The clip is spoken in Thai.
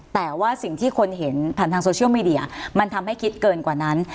แต่ว่าสิ่งที่คนเห็นผ่านทางโซเชียลมีเดียมันทำให้คิดเกินกว่านั้น